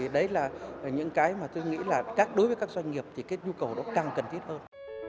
đấy là những cái mà tôi nghĩ là đối với các doanh nghiệp thì nhu cầu đó càng cần thiết hơn